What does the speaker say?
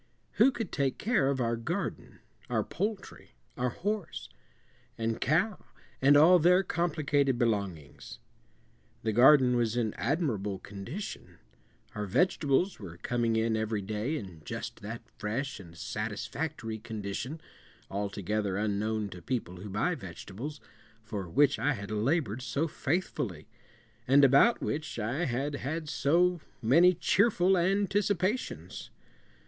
Who could take care of our garden, our poultry, our horse, and cow, and all their complicated belongings? The garden was in admirable condition. Our vegetables were coming in every day in just that fresh and satisfactory condition altogether unknown to people who buy vegetables for which I had labored so faithfully, and about which I had had so many cheerful anticipations.